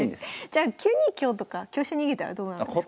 じゃあ９二香とか香車逃げたらどうなるんですか？